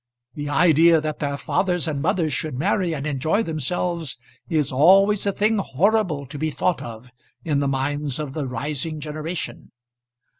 The idea that their fathers and mothers should marry and enjoy themselves is always a thing horrible to be thought of in the minds of the rising generation.